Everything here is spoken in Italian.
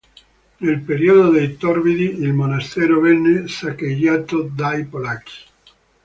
Nel Periodo dei torbidi il monastero venne saccheggiato dai polacchi.